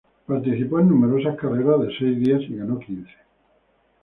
Participó en numerosas carreras de seis días y ganó quince.